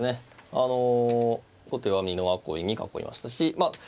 あの後手は美濃囲いに囲いましたしまあ